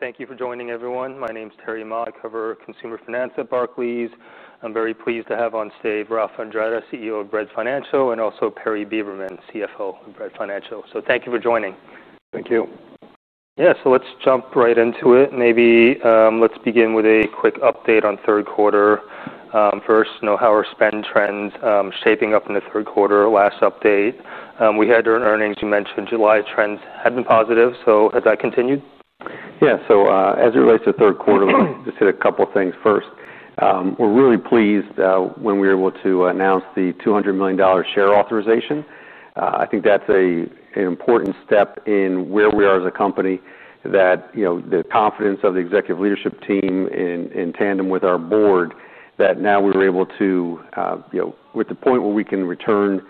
Thank you for joining, everyone. My name is Terry Ma. I cover consumer finance at Barclays. I'm very pleased to have on stage Ralph Andretta, CEO of Bread Financial, and also Perry Beberman, CFO of Bread Financial. Thank you for joining. Thank you. Yeah, let's jump right into it. Maybe let's begin with a quick update on third quarter. First, you know how our spend trends are shaping up in the third quarter. Last update, we had earnings, you mentioned July trends had been positive. Have that continued? Yeah, as it relates to third quarter, we just hit a couple of things. First, we're really pleased when we were able to announce the $200 million share repurchase authorization. I think that's an important step in where we are as a company, that the confidence of the executive leadership team in tandem with our board, that now we're able to, we're at the point where we can return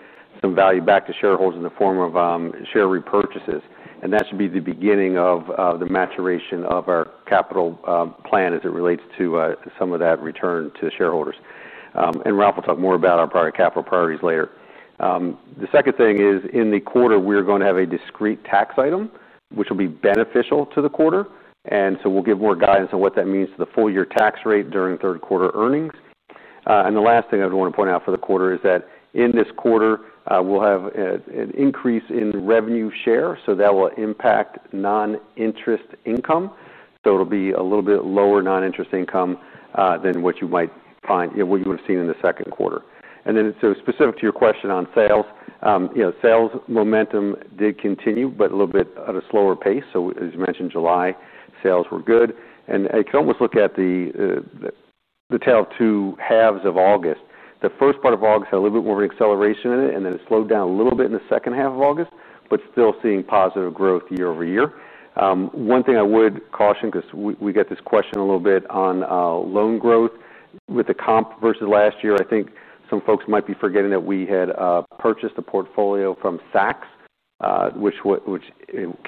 some value back to shareholders in the form of share repurchases. That should be the beginning of the maturation of our capital plan as it relates to some of that return to shareholders. Ralph will talk more about our product capital priorities later. The second thing is, in the quarter, we're going to have a discrete tax item, which will be beneficial to the quarter. We'll give more guidance on what that means to the full-year tax rate during third quarter earnings. The last thing I would want to point out for the quarter is that in this quarter, we'll have an increase in revenue share. That will impact non-interest income, so it'll be a little bit lower non-interest income than what you might find, what you would have seen in the second quarter. Specific to your question on sales, sales momentum did continue, but a little bit at a slower pace. As you mentioned, July sales were good. You can almost look at the tale of two halves of August. The first part of August had a little bit more of an acceleration in it, and it slowed down a little bit in the second half of August, but still seeing positive growth year over year. One thing I would caution, because we get this question a little bit on loan growth with the comp versus last year, I think some folks might be forgetting that we had purchased the portfolio from Saks, which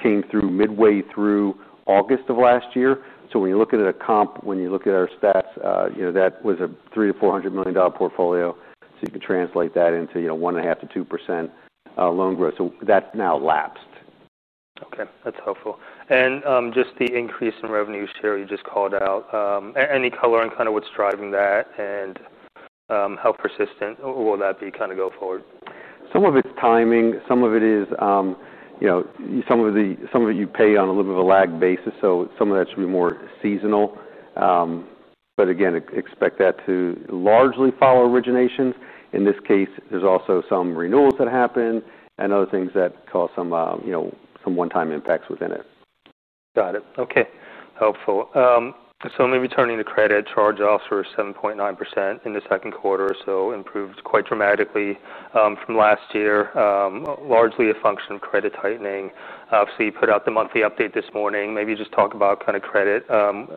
came through midway through August of last year. When you look at a comp, when you look at our stats, that was a $300 to $400 million portfolio. You could translate that into 1.5% to 2% loan growth. That now lapsed. Okay, that's helpful. Just the increase in revenues here you just called out, any color on kind of what's driving that and how persistent will that be kind of going forward? Some of it's timing. Some of it is, you know, some of it you pay on a little bit of a lag basis. Some of that should be more seasonal. Again, expect that to largely follow originations. In this case, there's also some renewals that happen and other things that cause some, you know, some one-time impacts within it. Got it. Okay, helpful. Maybe turning to credit, charge-offs were 7.9% in the second quarter, which improved quite dramatically from last year, largely a function of credit tightening. You put out the monthly update this morning. Maybe just talk about kind of credit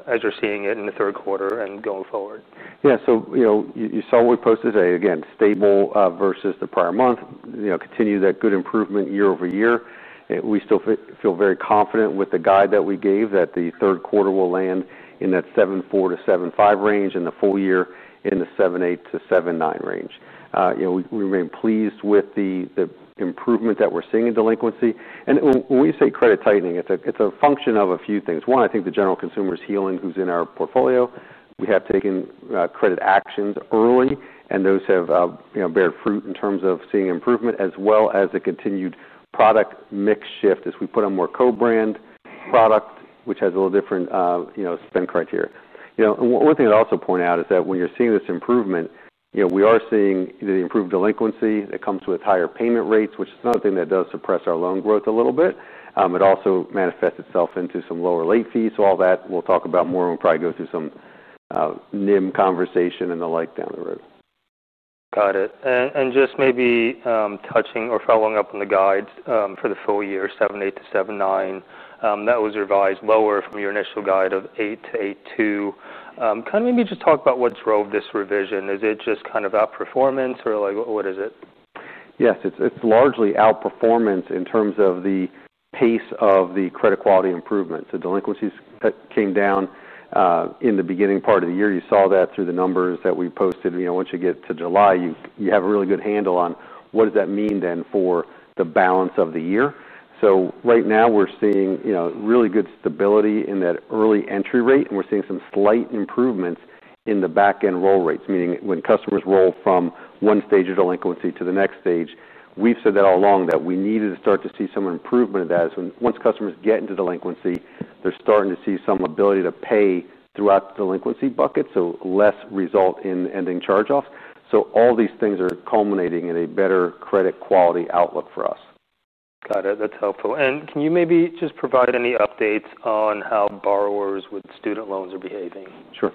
as you're seeing it in the third quarter and going forward. Yeah, you saw what we posted today. Again, stable versus the prior month, continue that good improvement year over year. We still feel very confident with the guide that we gave that the third quarter will land in that 7.4% to 7.5% range and the full year in the 7.8% to 7.9% range. We remain pleased with the improvement that we're seeing in delinquency. When we say credit tightening, it's a function of a few things. One, I think the general consumer is healing, who's in our portfolio. We have taken credit actions early, and those have beared fruit in terms of seeing improvement, as well as a continued product mix shift as we put on more co-brand product, which has a little different spend criteria. One thing to also point out is that when you're seeing this improvement, we are seeing the improved delinquency that comes with higher payment rates, which is another thing that does suppress our loan growth a little bit. It also manifests itself into some lower late fees. All that we'll talk about more and probably go through some NIM conversation and the like down the road. Got it. Maybe touching or following up on the guides for the full year, 7.8% to 7.9%, that was revised lower from your initial guide of 8.0% to 8.2%. Kind of maybe just talk about what drove this revision. Is it just kind of outperformance or like what is it? Yes, it's largely outperformance in terms of the pace of the credit quality improvement. Delinquencies came down in the beginning part of the year. You saw that through the numbers that we posted. Once you get to July, you have a really good handle on what does that mean then for the balance of the year. Right now we're seeing really good stability in that early entry rate, and we're seeing some slight improvements in the backend roll rates, meaning when customers roll from one stage of delinquency to the next stage. We've said that all along that we needed to start to see some improvement of that. Once customers get into delinquency, they're starting to see some ability to pay throughout the delinquency bucket, so less result in ending charge-offs. All these things are culminating in a better credit quality outlook for us. Got it. That's helpful. Can you maybe just provide any updates on how borrowers with student loans are behaving? Sure.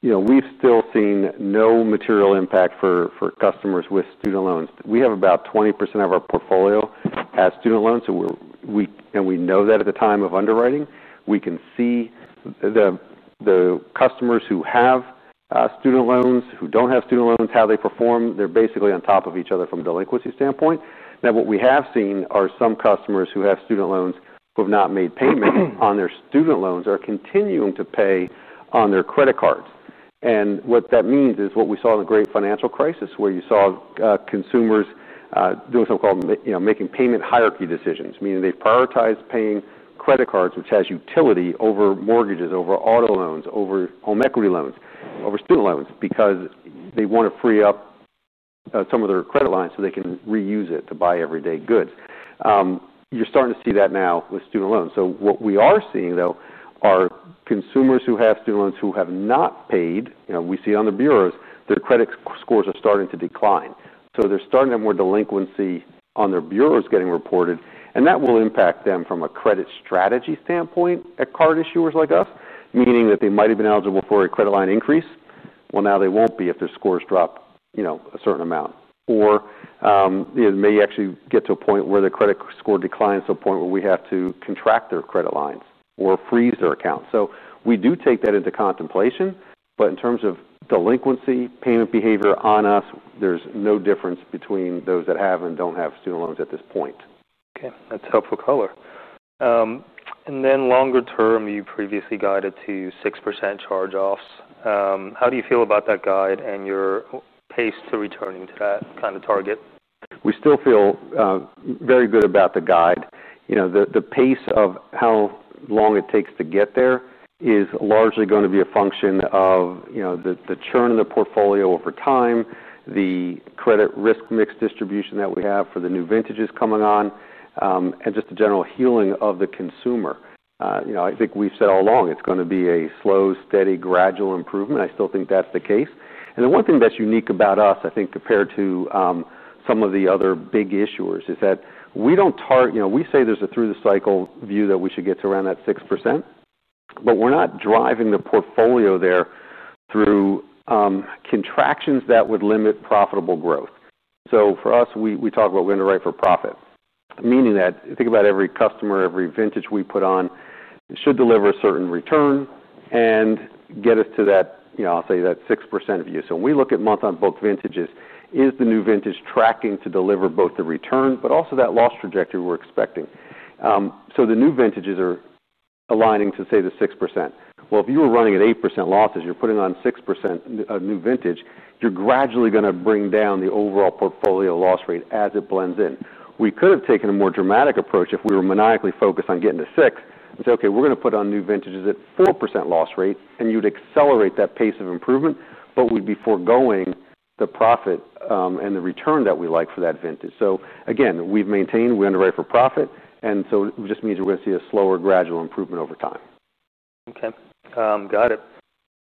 You know, we've still seen no material impact for customers with student loans. We have about 20% of our portfolio as student loans. We know that at the time of underwriting, we can see the customers who have student loans, who don't have student loans, how they perform. They're basically on top of each other from a delinquency standpoint. What we have seen are some customers who have student loans who have not made payment on their student loans are continuing to pay on their credit cards. That means what we saw in the great financial crisis, where you saw consumers doing something called, you know, making payment hierarchy decisions, meaning they prioritize paying credit cards, which has utility over mortgages, over auto loans, over home equity loans, over student loans, because they want to free up some of their credit lines so they can reuse it to buy everyday goods. You're starting to see that now with student loans. What we are seeing, though, are consumers who have student loans who have not paid, you know, we see on the bureaus, their credit scores are starting to decline. They're starting to have more delinquency on their bureaus getting reported. That will impact them from a credit strategy standpoint at card issuers like us, meaning that they might have been eligible for a credit line increase. Now they won't be if their scores drop, you know, a certain amount. Or, you know, they may actually get to a point where their credit score declines to a point where we have to contract their credit lines or freeze their accounts. We do take that into contemplation. In terms of delinquency, payment behavior on us, there's no difference between those that have and don't have student loans at this point. Okay, that's helpful color. Longer term, you previously guided to 6% charge-offs. How do you feel about that guide and your pace for returning to that kind of target? We still feel very good about the guide. The pace of how long it takes to get there is largely going to be a function of the churn in the portfolio over time, the credit risk mix distribution that we have for the new vintages coming on, and just the general healing of the consumer. I think we've said all along it's going to be a slow, steady, gradual improvement. I still think that's the case. The one thing that's unique about us, compared to some of the other big issuers, is that we don't target, we say there's a through-the-cycle view that we should get to around that 6%. We're not driving the portfolio there through contractions that would limit profitable growth. For us, we talk about we're going to write for profit, meaning that every customer, every vintage we put on should deliver a certain return and get us to that 6% view. When we look at month-on-book vintages, is the new vintage tracking to deliver both the return, but also that loss trajectory we're expecting? The new vintages are aligning to, say, the 6%. If you were running at 8% losses, you're putting on 6% new vintage, you're gradually going to bring down the overall portfolio loss rate as it blends in. We could have taken a more dramatic approach if we were maniacally focused on getting to 6% and say, OK, we're going to put on new vintages at a 4% loss rate, and you'd accelerate that pace of improvement, but we'd be foregoing the profit and the return that we like for that vintage. We've maintained, we're going to write for profit. It just means we're going to see a slower, gradual improvement over time. Okay, got it.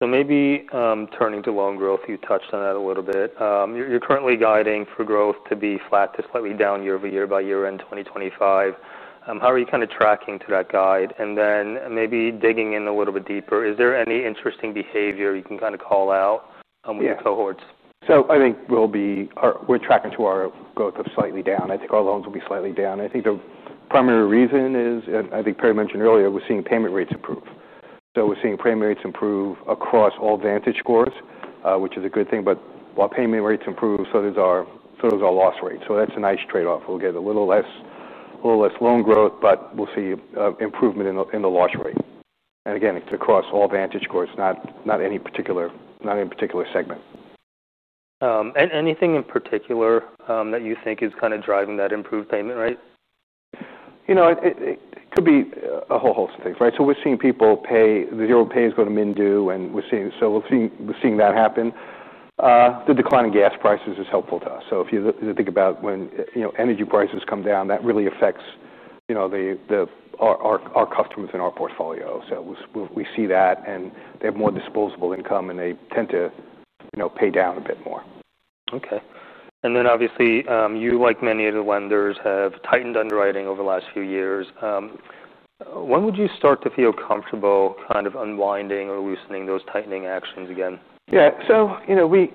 Maybe turning to loan growth, you touched on that a little bit. You're currently guiding for growth to be flat to slightly down year over year by year-end 2025. How are you kind of tracking to that guide? Maybe digging in a little bit deeper, is there any interesting behavior you can kind of call out with the cohorts? I think we'll be, we're tracking to our growth of slightly down. I think our loans will be slightly down. I think the primary reason is, and I think Perry mentioned earlier, we're seeing payment rates improve. We're seeing payment rates improve across all Vantage scores, which is a good thing. While payment rates improve, so does our loss rate. That's a nice trade-off. We'll get a little less loan growth, but we'll see improvement in the loss rate. Again, it's across all Vantage scores, not any particular segment. there anything in particular that you think is kind of driving that improved payment rate? It could be a whole host of things, right? We're seeing people pay, the zero pay is going to MINDU, and we're seeing that happen. The decline in gas prices is helpful to us. If you think about when energy prices come down, that really affects our customers in our portfolio. We see that, and they have more disposable income, and they tend to pay down a bit more. Okay. Obviously, you, like many of the lenders, have tightened underwriting over the last few years. When would you start to feel comfortable kind of unwinding or loosening those tightening actions again? Yeah, so you know, we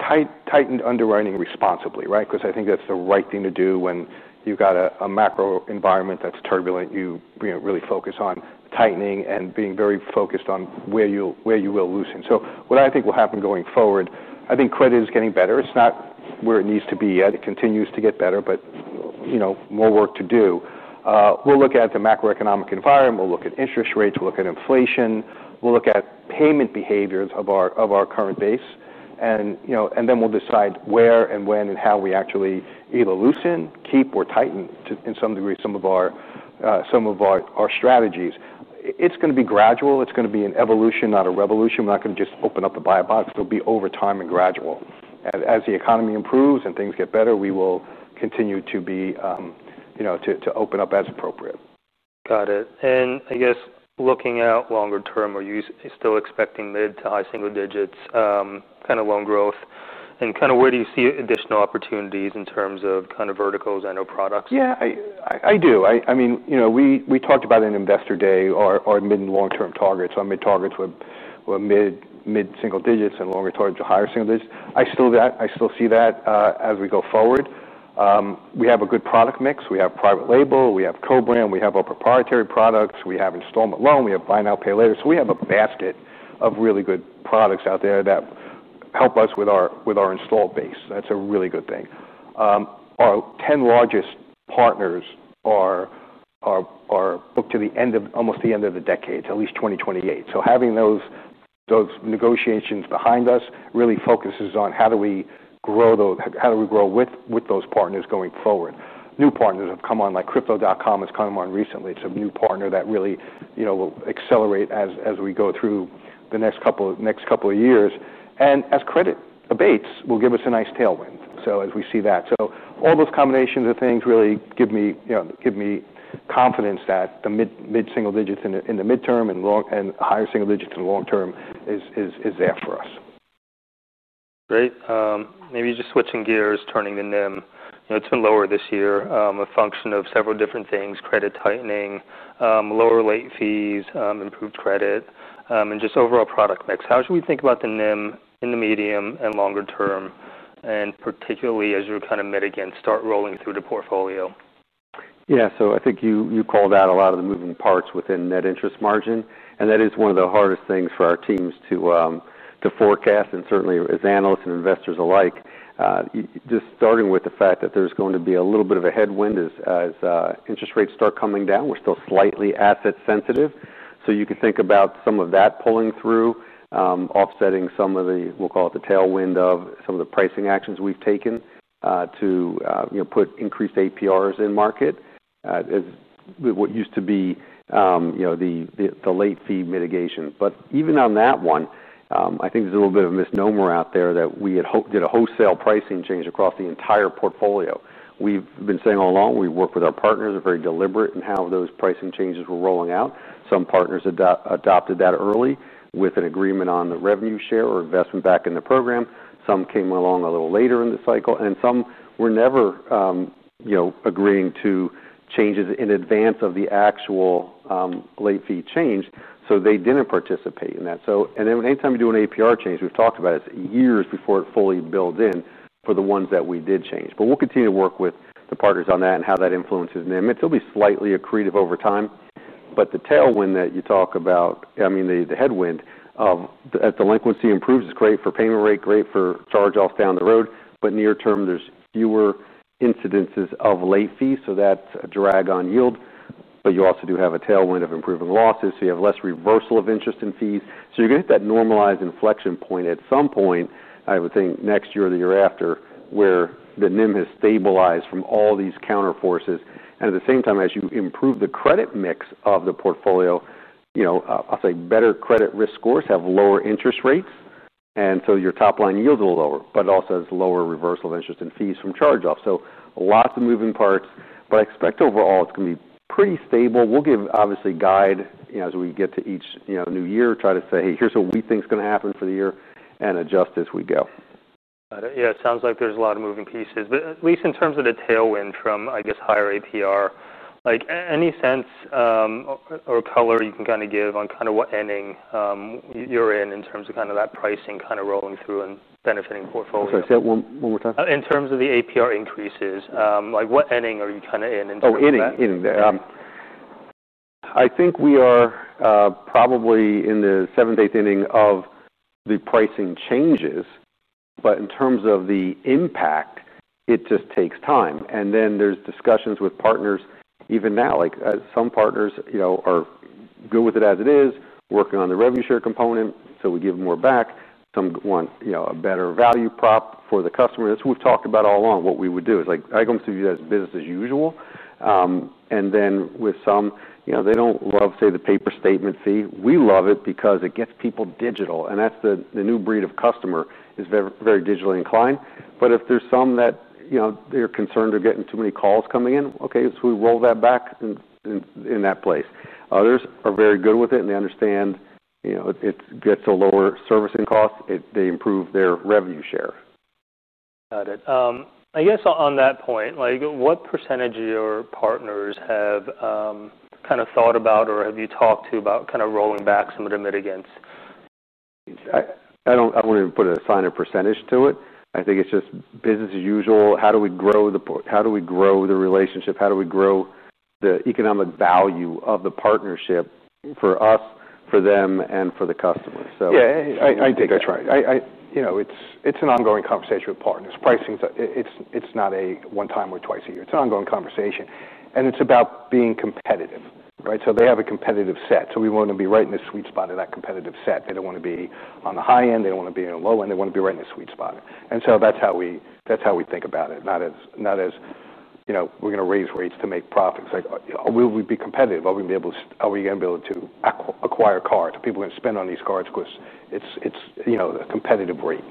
tightened underwriting responsibly, right? I think that's the right thing to do when you've got a macro environment that's turbulent. You really focus on tightening and being very focused on where you will loosen. What I think will happen going forward, I think credit is getting better. It's not where it needs to be yet. It continues to get better, but you know, more work to do. We'll look at the macroeconomic environment. We'll look at interest rates. We'll look at inflation. We'll look at payment behaviors of our current base. You know, then we'll decide where and when and how we actually either loosen, keep, or tighten to some degree some of our strategies. It's going to be gradual. It's going to be an evolution, not a revolution. We're not going to just open up and buy a box. It'll be over time and gradual. As the economy improves and things get better, we will continue to be, you know, to open up as appropriate. Got it. I guess looking out longer term, are you still expecting mid to high single digits kind of loan growth? Where do you see additional opportunities in terms of verticals and/or products? Yeah, I do. I mean, you know, we talked about at investor day our mid and long-term targets. Our mid targets were mid single digits and longer targets were higher single digits. I still see that as we go forward. We have a good product mix. We have private label credit cards. We have co-brand credit cards. We have our proprietary products. We have installment loans. We have buy now, pay later. We have a basket of really good products out there that help us with our installed base. That's a really good thing. Our 10 largest partners are booked to almost the end of the decade, at least 2028. Having those negotiations behind us really focuses on how we grow those, how we grow with those partners going forward. New partners have come on, like Crypto.com has come on recently. It's a new partner that really, you know, will accelerate as we go through the next couple of years. As credit abates, it will give us a nice tailwind. All those combinations of things really give me confidence that the mid single digits in the midterm and higher single digits in the long term is there for us. Great. Maybe just switching gears, turning to NIM. You know, it's been lower this year, a function of several different things, credit tightening, lower late fees, improved credit, and just overall product mix. How should we think about the NIM in the medium and longer term, and particularly as you kind of again start rolling through the portfolio? Yeah, so I think you called out a lot of the moving parts within net interest margin. That is one of the hardest things for our teams to forecast, and certainly as analysts and investors alike. Just starting with the fact that there's going to be a little bit of a headwind as interest rates start coming down. We're still slightly asset sensitive. You can think about some of that pulling through, offsetting some of the, we'll call it the tailwind of some of the pricing actions we've taken to put increased APRs in market as what used to be, you know, the late fee mitigation. Even on that one, I think there's a little bit of a misnomer out there that we had hoped did a wholesale pricing change across the entire portfolio. We've been saying all along, we work with our partners, they're very deliberate in how those pricing changes were rolling out. Some partners adopted that early with an agreement on the revenue share or investment back in the program. Some came along a little later in the cycle, and some were never, you know, agreeing to changes in advance of the actual late fee change. They didn't participate in that. Anytime you do an APR change, we've talked about it, it's years before it fully builds in for the ones that we did change. We'll continue to work with the partners on that and how that influences them. It'll be slightly accretive over time. The tailwind that you talk about, I mean, the headwind of delinquency improves is great for payment rate, great for charge-offs down the road. Near term, there's fewer incidences of late fees. That's a drag on yield. You also do have a tailwind of improving losses. You have less reversal of interest in fees. You're going to hit that normalized inflection point at some point, I would think next year or the year after, where the NIM has stabilized from all these counterforces. At the same time, as you improve the credit mix of the portfolio, you know, I'll say better credit risk scores have lower interest rates. Your top line yield is a little lower, but it also has lower reversal of interest in fees from charge-offs. Lots of moving parts, but I expect overall it's going to be pretty stable. We'll give obviously a guide, you know, as we get to each, you know, new year, try to say, hey, here's what we think is going to happen for the year and adjust as we go. Got it. Yeah, it sounds like there's a lot of moving pieces, but at least in terms of the tailwind from, I guess, higher APR, any sense or color you can give on what ending you're in in terms of that pricing rolling through and benefiting portfolios. Sorry, say that one more time. In terms of the APR increases, what ending are you kind of in in terms of that? Ending, ending. I think we are probably in the seventh-eighth inning of the pricing changes. In terms of the impact, it just takes time. There are discussions with partners even now. Some partners are good with it as it is, working on the revenue share component, so we give more back. Some want a better value prop for the customer. That's what we've talked about all along. What we would do is, I can see you as business as usual. With some, they don't love, say, the paper statement fee. We love it because it gets people digital, and the new breed of customer is very digitally inclined. If there are some that are concerned they're getting too many calls coming in, we roll that back in that place. Others are very good with it, and they understand it gets a lower servicing cost. They improve their revenue share. Got it. I guess on that point, what % of your partners have kind of thought about or have you talked to about kind of rolling back some of the mitigants? I don't want to put a sign of % to it. I think it's just business as usual. How do we grow the relationship? How do we grow the economic value of the partnership for us, for them, and for the customer? Yeah, I think that's right. You know, it's an ongoing conversation with partners. Pricing, it's not a one time or twice a year. It's an ongoing conversation, and it's about being competitive, right? They have a competitive set, so we want to be right in the sweet spot of that competitive set. They don't want to be on the high end. They don't want to be on the low end. They want to be right in the sweet spot, and that's how we think about it. Not as, you know, we're going to raise rates to make profits. Like, will we be competitive? Are we going to be able to acquire cards? Are people going to spend on these cards? Of course, it's, you know, a competitive rate.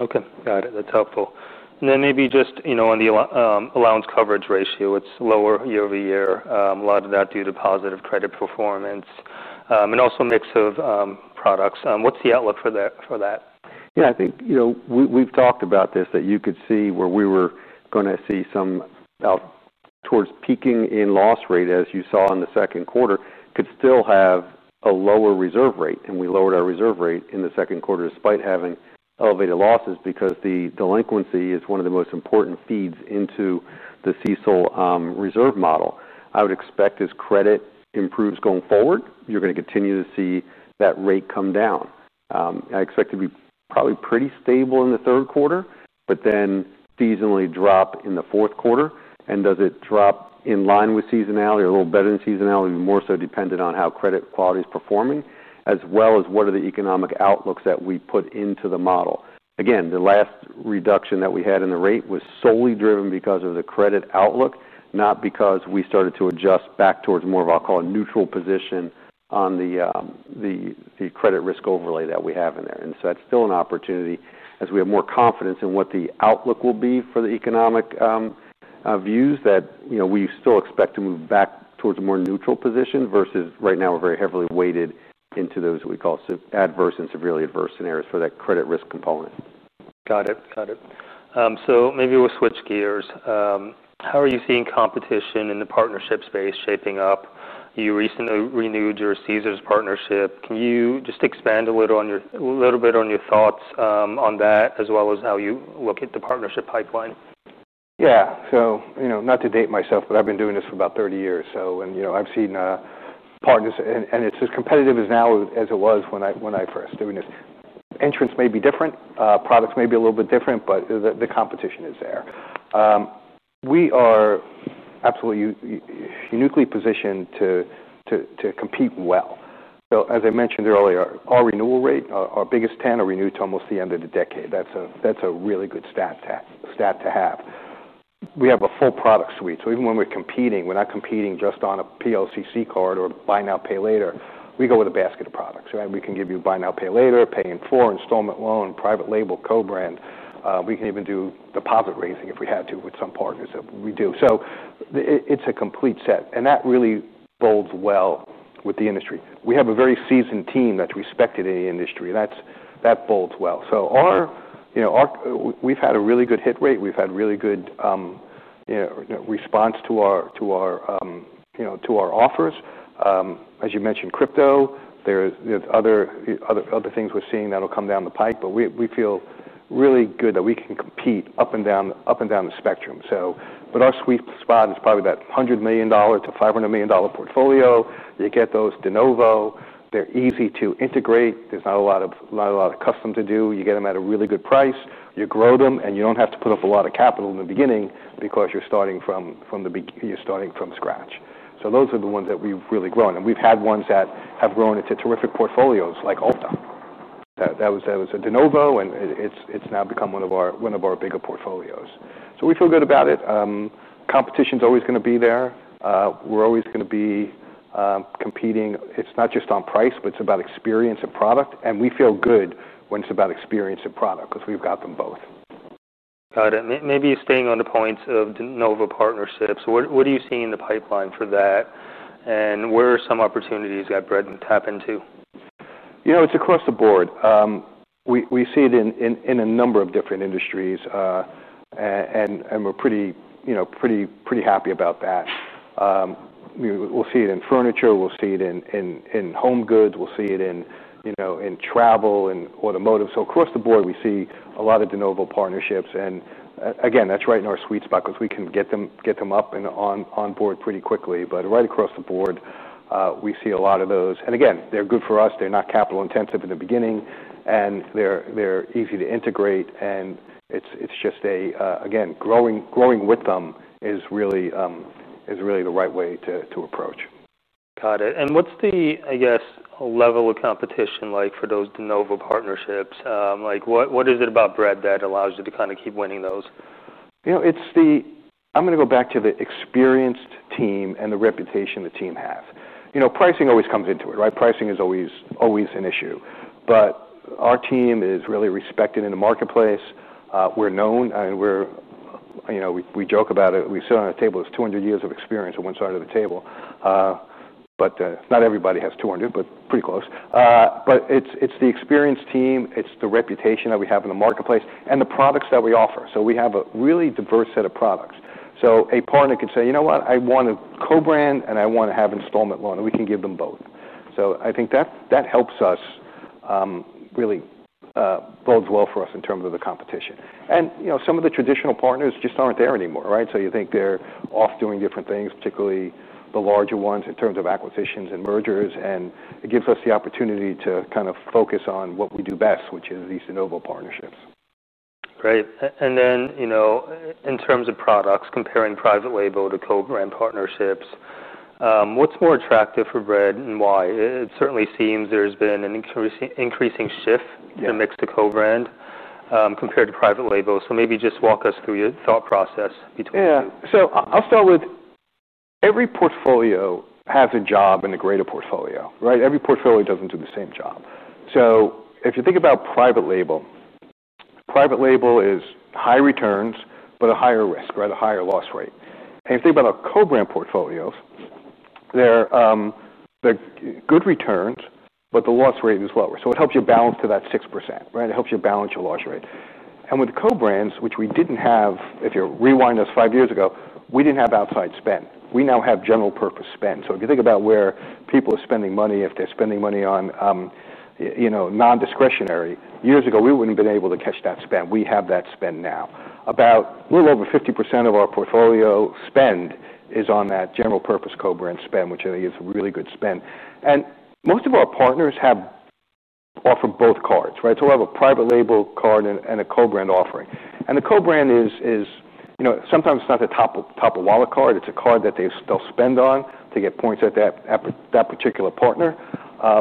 Okay. Got it. That's helpful. And then maybe just, you know, on the allowance coverage ratio, it's lower year over year. A lot of that due to positive credit performance and also a mix of products. What's the outlook for that? Yeah, I think we've talked about this, that you could see where we were going to see some out towards peaking in loss rate, as you saw in the second quarter, could still have a lower reserve rate. We lowered our reserve rate in the second quarter despite having elevated losses because the delinquency is one of the most important feeds into the CECL reserve model. I would expect as credit improves going forward, you're going to continue to see that rate come down. I expect it to be probably pretty stable in the third quarter, but then seasonally drop in the fourth quarter. Does it drop in line with seasonality or a little better than seasonality? It'd be more so dependent on how credit quality is performing, as well as what are the economic outlooks that we put into the model. Again, the last reduction that we had in the rate was solely driven because of the credit outlook, not because we started to adjust back towards more of, I'll call it, a neutral position on the credit risk overlay that we have in there. That's still an opportunity as we have more confidence in what the outlook will be for the economic views that, you know, we still expect to move back towards a more neutral position versus right now we're very heavily weighted into those we call adverse and severely adverse scenarios for that credit risk component. Got it. Maybe we'll switch gears. How are you seeing competition in the partnership space shaping up? You recently renewed your Caesars partnership. Can you expand a little bit on your thoughts on that, as well as how you look at the partnership pipeline? Yeah, not to date myself, but I've been doing this for about 30 years. I've seen partners, and it's as competitive now as it was when I first started doing this. Entrance may be different. Products may be a little bit different, but the competition is there. We are absolutely uniquely positioned to compete well. As I mentioned earlier, our renewal rate, our biggest 10, are renewed to almost the end of the decade. That's a really good stat to have. We have a full product suite. Even when we're competing, we're not competing just on a private label credit card or buy now pay later. We go with a basket of products. We can give you buy now pay later, pay in full, installment loans, private label, co-brand. We can even do deposit raising if we had to with some partners that we do. It's a complete set. That really bodes well with the industry. We have a very seasoned team that's respected in the industry. That bodes well. We've had a really good hit rate. We've had really good response to our offers. As you mentioned, crypto, there are other things we're seeing that'll come down the pike. We feel really good that we can compete up and down the spectrum. Our sweet spot is probably that $100 million to $500 million portfolio. You get those de novo. They're easy to integrate. There's not a lot of custom to do. You get them at a really good price. You grow them, and you don't have to put up a lot of capital in the beginning because you're starting from scratch. Those are the ones that we've really grown. We've had ones that have grown into terrific portfolios like Alta. That was a de novo, and it's now become one of our bigger portfolios. We feel good about it. Competition is always going to be there. We're always going to be competing. It's not just on price, it's about experience and product. We feel good when it's about experience and product because we've got them both. Got it. Maybe staying on the points of de novo partnerships, what are you seeing in the pipeline for that? Where are some opportunities that Bread Financial can tap into? It's across the board. We see it in a number of different industries, and we're pretty happy about that. We see it in furniture, home goods, travel, and automotive. Across the board, we see a lot of de novo partnerships. That's right in our sweet spot because we can get them up and on board pretty quickly. Right across the board, we see a lot of those, and they're good for us. They're not capital intensive in the beginning, and they're easy to integrate. Growing with them is really the right way to approach. Got it. What's the, I guess, level of competition like for those de novo partnerships? What is it about Bread Financial that allows you to kind of keep winning those? It's the, I'm going to go back to the experienced team and the reputation the team has. Pricing always comes into it, right? Pricing is always an issue. Our team is really respected in the marketplace. We're known. We joke about it. We sit on a table. It's 200 years of experience on one side of the table. Not everybody has 200, but pretty close. It's the experienced team, it's the reputation that we have in the marketplace, and the products that we offer. We have a really diverse set of products. A partner could say, you know what? I want a co-brand, and I want to have installment loan. We can give them both. I think that helps us really bode well for us in terms of the competition. Some of the traditional partners just aren't there anymore, right? You think they're off doing different things, particularly the larger ones in terms of acquisitions and mergers. It gives us the opportunity to kind of focus on what we do best, which is these de novo partnerships. Great. In terms of products, comparing private label to co-brand partnerships, what's more attractive for Bread Financial and why? It certainly seems there's been an increasing shift in the mix to co-brand compared to private label. Maybe just walk us through your thought process between them. Yeah, I'll start with every portfolio has a job in the greater portfolio, right? Every portfolio doesn't do the same job. If you think about private label, private label is high returns, but a higher risk, a higher loss rate. If you think about our co-brand portfolios, they're good returns, but the loss rate is lower. It helps you balance to that 6%, right? It helps you balance your loss rate. With the co-brands, which we didn't have, if you rewind us five years ago, we didn't have outside spend. We now have general purpose spend. If you think about where people are spending money, if they're spending money on, you know, non-discretionary, years ago, we wouldn't have been able to catch that spend. We have that spend now. About a little over 50% of our portfolio spend is on that general purpose co-brand spend, which I think is a really good spend. Most of our partners have offered both cards, right? We'll have a private label card and a co-brand offering. The co-brand is, you know, sometimes it's not the top of wallet card. It's a card that they still spend on to get points at that particular partner.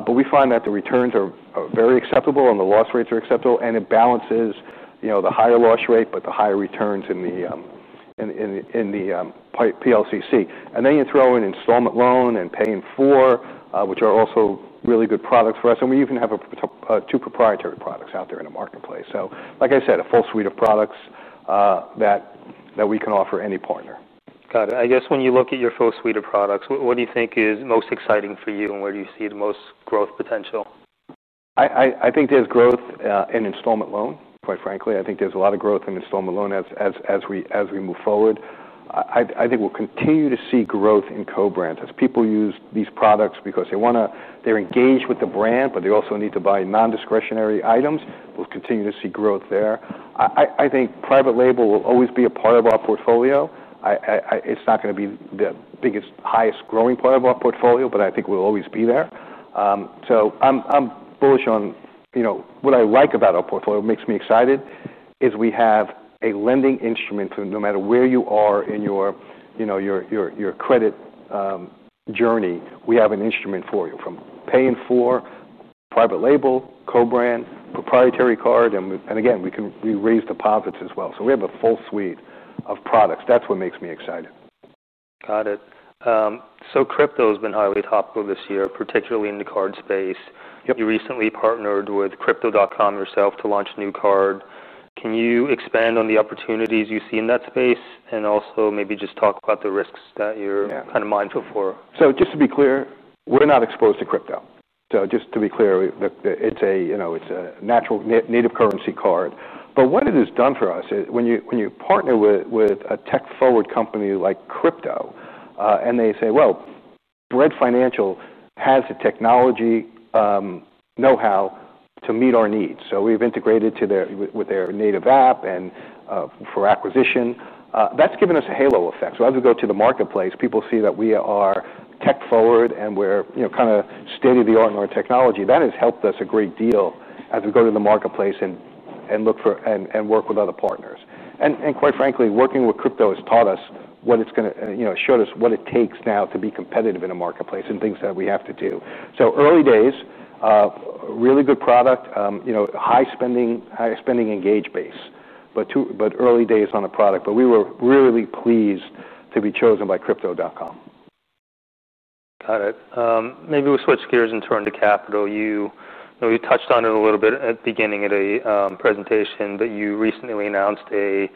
We find that the returns are very acceptable and the loss rates are acceptable. It balances, you know, the higher loss rate, but the higher returns in the private label credit cards. You throw in installment loans and pay in full, which are also really good products for us. We even have two proprietary products out there in the marketplace. Like I said, a full suite of products that we can offer any partner. Got it. I guess when you look at your full suite of products, what do you think is most exciting for you, and where do you see the most growth potential? I think there's growth in installment loans, quite frankly. I think there's a lot of growth in installment loans as we move forward. I think we'll continue to see growth in co-brand credit cards as people use these products because they want to, they're engaged with the brand, but they also need to buy non-discretionary items. We'll continue to see growth there. I think private label credit cards will always be a part of our portfolio. It's not going to be the biggest, highest growing part of our portfolio, but I think we'll always be there. I'm bullish on what I like about our portfolio. What makes me excited is we have a lending instrument for no matter where you are in your credit journey, we have an instrument for you from paying for private label credit cards, co-brand credit cards, proprietary card. We can raise deposits as well. We have a full suite of products. That's what makes me excited. Got it. Crypto has been highly topical this year, particularly in the card space. You recently partnered with Crypto.com yourself to launch a new card. Can you expand on the opportunities you see in that space and also maybe just talk about the risks that you're kind of mindful for? Just to be clear, we're not exposed to crypto. It's a natural native currency card. What it has done for us is when you partner with a tech-forward company like Crypto.com and they say Bread Financial has the technology know-how to meet our needs, we've integrated with their native app for acquisition. That's given us a halo effect. As we go to the marketplace, people see that we are tech-forward and we're kind of state-of-the-art in our technology. That has helped us a great deal as we go to the marketplace and look for and work with other partners. Quite frankly, working with Crypto.com has taught us what it's going to, you know, showed us what it takes now to be competitive in a marketplace and things that we have to do. Early days, really good product, high spending, higher spending engaged base, but early days on a product. We were really pleased to be chosen by Crypto.com. Got it. Maybe we'll switch gears and turn to capital. You touched on it a little bit at the beginning of the presentation, but you recently announced a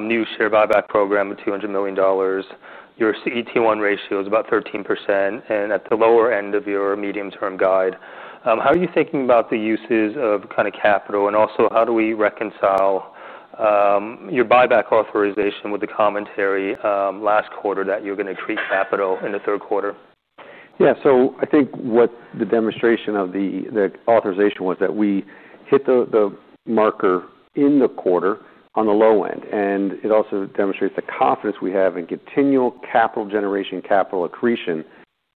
new share buyback program of $200 million. Your CET1 ratio is about 13% and at the lower end of your medium-term guide. How are you thinking about the uses of kind of capital, and also how do we reconcile your share repurchase authorization with the commentary last quarter that you're going to treat capital in the third quarter? Yeah, so I think what the demonstration of the authorization was that we hit the marker in the quarter on the low end. It also demonstrates the confidence we have in continual capital generation, capital accretion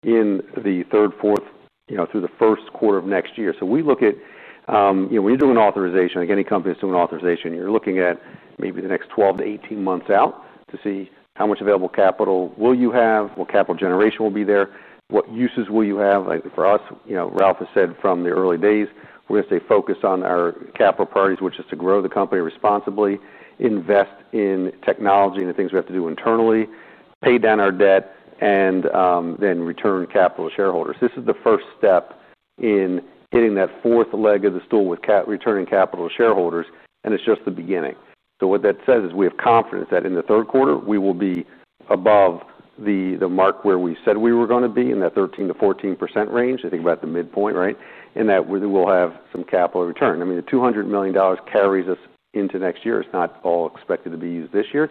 in the third, fourth, you know, through the first quarter of next year. We look at, you know, when you're doing an authorization, like any company is doing an authorization, you're looking at maybe the next 12 to 18 months out to see how much available capital will you have, what capital generation will be there, what uses will you have. Like for us, you know, Ralph has said from the early days, we're going to stay focused on our capital priorities, which is to grow the company responsibly, invest in technology and the things we have to do internally, pay down our debt, and then return capital to shareholders. This is the first step in hitting that fourth leg of the stool with returning capital to shareholders. It's just the beginning. What that says is we have confidence that in the third quarter, we will be above the mark where we said we were going to be in that 13 to 14% range, I think about the midpoint, right? We will have some capital return. I mean, the $200 million carries us into next year. It's not all expected to be this year.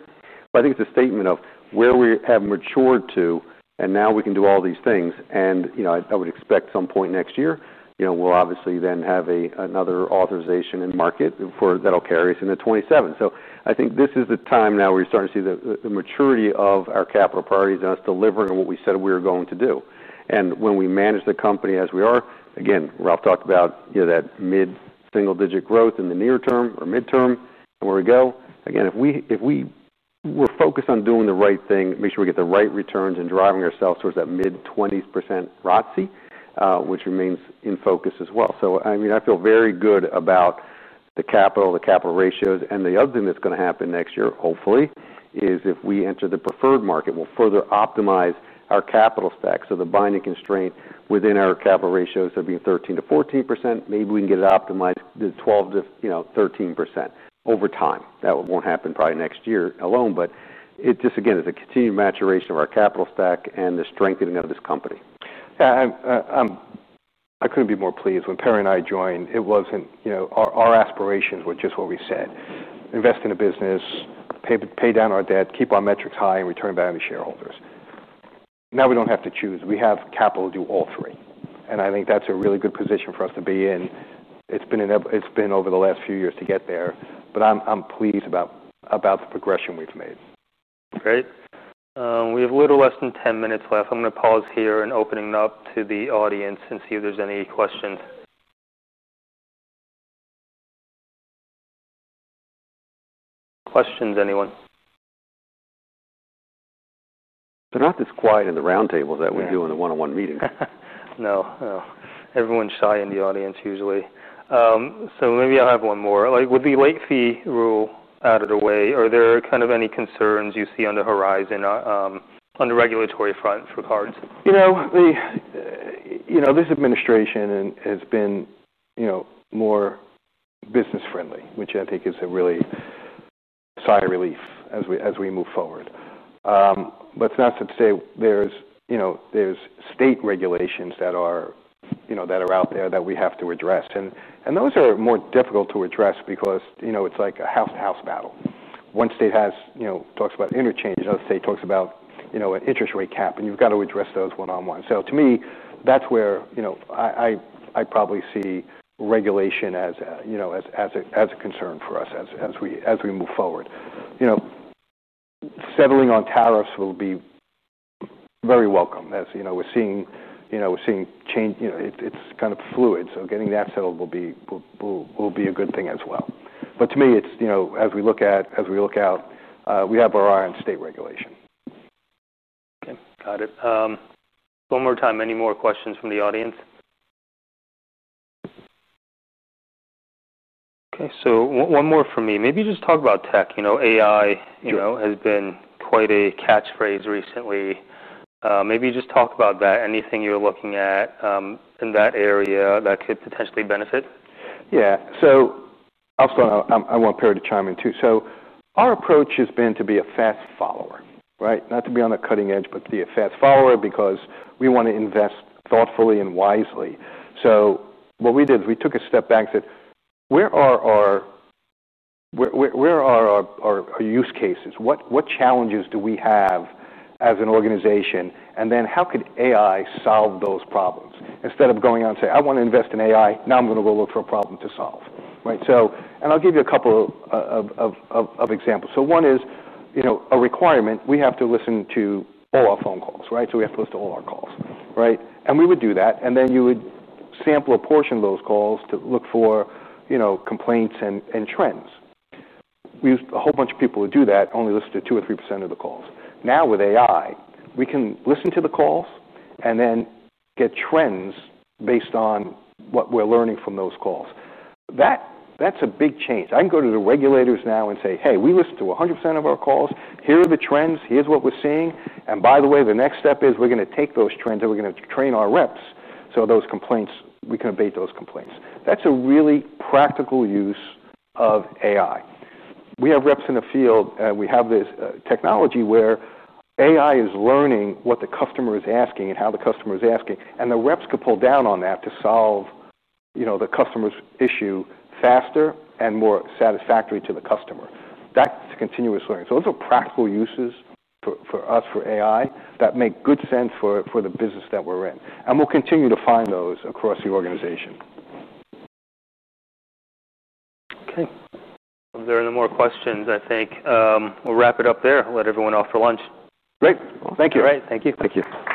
I think it's a statement of where we have matured to, and now we can do all these things. I would expect some point next year, you know, we'll obviously then have another authorization in market that'll carry us into 2027. I think this is the time now where you're starting to see the maturity of our capital priorities and us delivering what we said we were going to do. When we manage the company as we are, again, Ralph talked about, you know, that mid-single-digit growth in the near term or mid-term and where we go. If we were focused on doing the right thing, make sure we get the right returns and driving ourselves towards that mid-20s % ROTC, which remains in focus as well. I feel very good about the capital, the capital ratios. The other thing that's going to happen next year, hopefully, is if we enter the preferred market, we'll further optimize our capital stack. The binding constraint within our capital ratios have been 13 to 14%. Maybe we can get it optimized to 12 to, you know, 13% over time. That won't happen probably next year alone. It just, again, is a continued maturation of our capital stack and the strengthening of this company. I couldn't be more pleased when Perry and I joined. It wasn't, you know, our aspirations were just what we said. Invest in a business, pay down our debt, keep our metrics high, and return back to shareholders. Now we don't have to choose. We have capital to do all three. I think that's a really good position for us to be in. It's been over the last few years to get there. I'm pleased about the progression we've made. Great. We have a little less than 10 minutes left. I'm going to pause here and open it up to the audience and see if there's any questions. Questions, anyone? They're not this quiet in the roundtables that we do in the one-on-one meetings. Everyone's shy in the audience usually. Maybe I'll have one more. With the late fee rule out of the way, are there any concerns you see on the horizon on the regulatory front for cards? This administration has been more business-friendly, which I think is a real sigh of relief as we move forward. It's not to say there are state regulations that are out there that we have to address. Those are more difficult to address because it's like a house-to-house battle. One state talks about interchange, another state talks about an interest rate cap, and you've got to address those one-on-one. To me, that's where I probably see regulation as a concern for us as we move forward. Settling on tariffs will be very welcome. As you know, we're seeing change. It's kind of fluid. Getting that settled will be a good thing as well. To me, as we look out, we have our eye on state regulation. Okay, got it. One more time, any more questions from the audience? Okay, one more from me. Maybe just talk about tech. You know, AI, you know, has been quite a catchphrase recently. Maybe you just talk about that. Anything you're looking at in that area that could potentially benefit? Yeah, I'll start. I want Perry to chime in too. Our approach has been to be a fast follower, not to be on the cutting edge, but to be a fast follower because we want to invest thoughtfully and wisely. We took a step back and said, where are our use cases? What challenges do we have as an organization? How could AI solve those problems? Instead of going out and saying, I want to invest in AI, now I'm going to go look for a problem to solve, right? I'll give you a couple of examples. One is a requirement. We have to listen to all our phone calls, right? We have to listen to all our calls, right? We would do that, and then you would sample a portion of those calls to look for complaints and trends. We used a whole bunch of people to do that, only listen to 2% or 3% of the calls. Now with AI, we can listen to the calls and then get trends based on what we're learning from those calls. That's a big change. I can go to the regulators now and say, hey, we listen to 100% of our calls. Here are the trends. Here's what we're seeing. By the way, the next step is we're going to take those trends and we're going to train our reps so those complaints, we can abate those complaints. That's a really practical use of AI. We have reps in the field and we have this technology where AI is learning what the customer is asking and how the customer is asking. The reps could pull down on that to solve the customer's issue faster and more satisfactory to the customer. That's continuous learning. Those are practical uses for us, for AI that make good sense for the business that we're in. We'll continue to find those across the organization. If there are no more questions, I think we'll wrap it up there. I'll let everyone off for lunch. Great. Thank you. All right, thank you. Thank you. Questions?